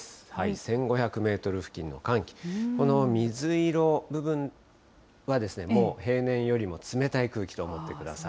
１５００メートル付近の寒気、この水色部分は、もう平年よりも冷たい空気と思ってください。